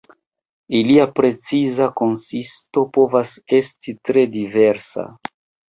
Ilia preciza konsisto povas esti tre diversa.